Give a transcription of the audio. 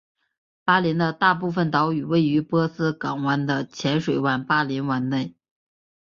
巴林的大部分岛屿位于波斯湾内的浅水湾巴林湾内。